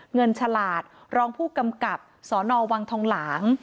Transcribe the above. ฉลาดรองผู้กำกับสนวังทองหลาง